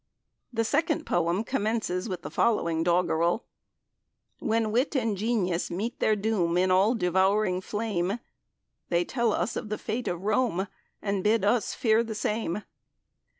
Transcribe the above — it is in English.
The second poem commences with the following doggerel: "When Wit and Genius meet their doom In all devouring Flame, They tell us of the Fate of Rome And bid us fear the same."